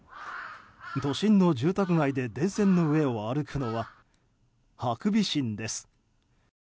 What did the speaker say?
都心の住宅街で電線の上を歩くのはハクビシンです。